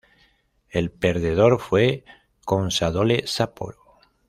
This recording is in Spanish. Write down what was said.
El perdedor fue Consadole Sapporo.